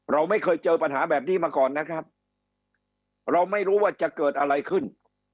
เราไม่เคยเจอปัญหาแบบนี้มาก่อนนะครับเราไม่รู้ว่าจะเกิดอะไรขึ้น